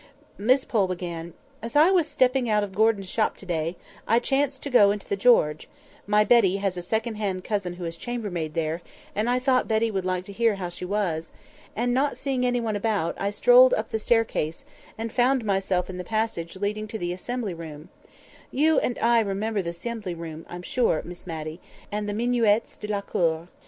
Miss Pole began— "As I was stepping out of Gordon's shop to day, I chanced to go into the 'George' (my Betty has a second cousin who is chambermaid there, and I thought Betty would like to hear how she was), and, not seeing anyone about, I strolled up the staircase, and found myself in the passage leading to the Assembly Room (you and I remember the Assembly Room, I am sure, Miss Matty! and the minuets de la cour!)